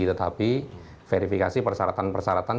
tetapi verifikasi persyaratan persyaratan